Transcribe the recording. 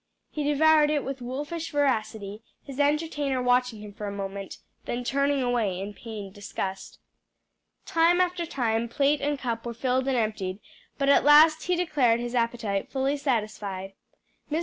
He devoured it with wolfish voracity, his entertainer watching him for a moment, then turning away in pained disgust. Time after time plate and cup were filled and emptied, but at last he declared his appetite fully satisfied. Mr.